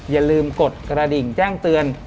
อย่าลืมกดกระดิ่งแจ้งเตือน